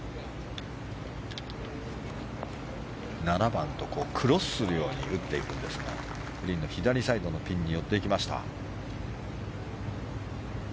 ７番とクロスするように打っていくんですがグリーンの左サイドのピンに寄っていきました。